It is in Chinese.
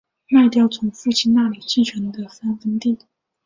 卖掉从父亲那里继承的三分地